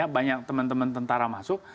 banyak teman teman tentara masuk